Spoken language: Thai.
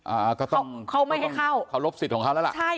อ่าก็ต้องเขาไม่ให้เข้าเคารพสิทธิ์ของเขาแล้วล่ะใช่